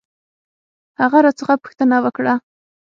هغه راڅخه پوښتنه وکړ.